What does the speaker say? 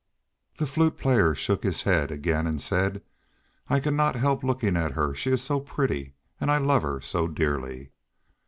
The Flute Player shook his head again and said, "I cannot help looking at her, she is so pretty and I love her so dearly."